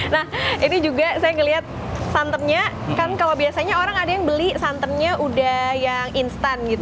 nah ini juga saya ngeliat santemnya kan kalau biasanya orang ada yang beli santannya udah yang instan gitu